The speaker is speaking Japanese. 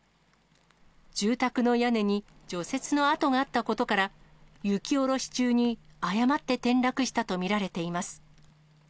住宅の屋根に除雪の跡があったことから、雪下ろし中に誤って転落したと見られています。